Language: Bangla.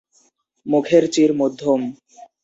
মুখের চির মধ্যম।